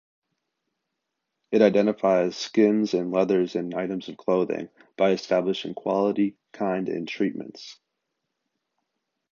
It identifies skins and leathers in items of clothing, by establishing quality, kind and treatments.